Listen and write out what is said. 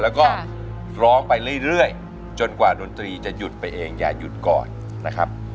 แล้วก็ร้องไปเรื่อยจนกว่าดนตรีจะหยุดไปเองอย่าหยุดก่อนนะครับ